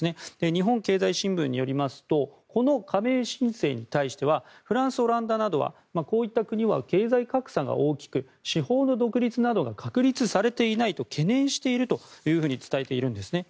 日本経済新聞によりますとこの加盟申請に対してはフランス、オランダなどはこういった国は経済格差が大きく司法の独立などが確立されていないと懸念していると伝えているんですね。